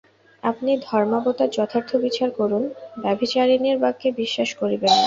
আপনি ধর্মাবতার যথার্থ বিচার করুন ব্যভিচারিণীর বাক্যে বিশ্বাস করিবেন না।